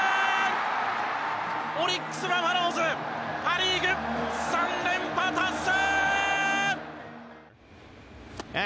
オリックス・バファローズパ・リーグ、３連覇達成！